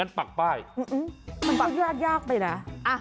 ปักป้ายมันก็ยากยากไปนะ